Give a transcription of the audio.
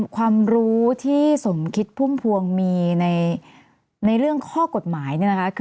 ความรู้ที่สมคิดพุ่มพวงมีในเรื่องข้อกฎหมาย